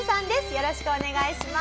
よろしくお願いします。